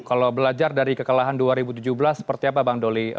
kalau belajar dari kekalahan dua ribu tujuh belas seperti apa bang doli